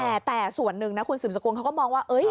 แต่ส่วนหนึ่งนะคุณสืบสกุลเขาก็มองว่า